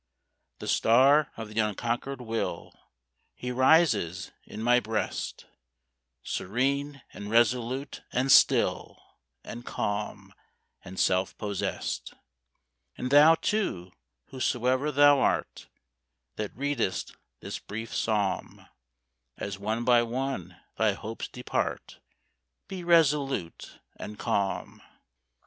The star of the unconquered will, He rises in my breast, Serene, and resolute, and still, And calm, and self possessed. And thou, too, whosoe'er thou art, That readest this brief psalm, As one by one thy hopes depart, Be resolute and calm.